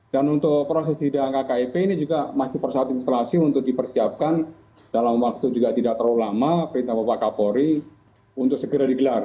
dan untuk proses sidang kkip ini juga masih persatu instalasi untuk dipersiapkan dalam waktu juga tidak terlalu lama berita bapak kapolri untuk segera digelar